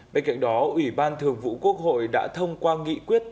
bên cạnh đó ủy ban thường vụ quốc hội đã thông qua nghị quyết